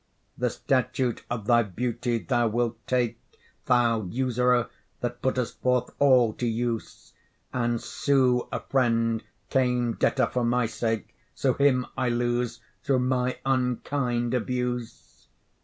The statute of thy beauty thou wilt take, Thou usurer, that putt'st forth all to use, And sue a friend came debtor for my sake; So him I lose through my unkind abuse.